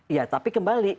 ya tapi kembali